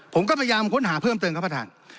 ผมก็พยายามค้นหาเพิ่มเติมครับประธาน